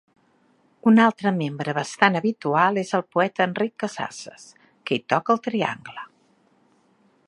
Un altre membre bastant habitual és el poeta Enric Casasses, que hi toca el triangle.